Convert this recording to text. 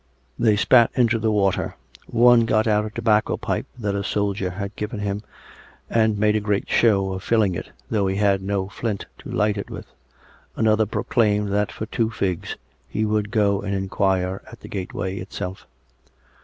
They spat into the water; one got out a tobacco pipe that a soldier had given him and made a great show of filling it, though he had no flint to light it with; another proclaimed that for two figs he would go and inquire at the gateway itself.